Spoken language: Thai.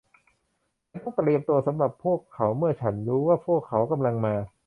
ฉันต้องเตรียมตัวสำหรับพวกเขาเมื่อฉันรู้ว่าพวกเขากำลังมา